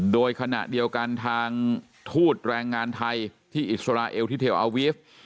โดยขณะเดียวกันทางทูตแรงงานไทยที่อิสราเอลที่เทลอาวีฟ